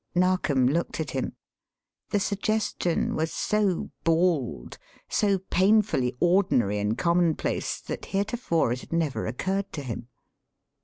Narkom looked at him. The suggestion was so bald, so painfully ordinary and commonplace, that, heretofore, it had never occurred to him.